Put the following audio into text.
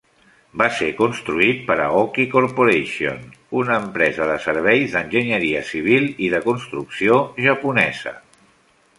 Va ser construït per Aoki Corporation, una empresa de serveis d'enginyeria civil i de construcció japonesa.